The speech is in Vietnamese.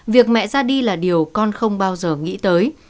việc mẹ ra đi là điều con không bao giờ nghĩ tới